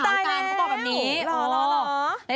อุ๊ยตายแล้วเขาบอกแบบนี้หรออุ๊ยตายแล้ว